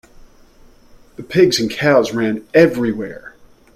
The pigs and cows ran everywhere.